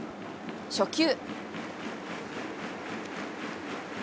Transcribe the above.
初球。